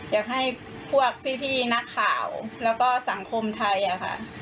อยากให้พวกพี่นักข่าวแล้วก็สังคมไทยค่ะ